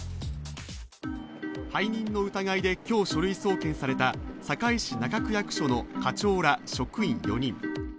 背任の疑いで今日、書類送検された堺市中区役所の課長ら職員４人。